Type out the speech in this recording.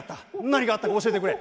何があったか教えてくれ。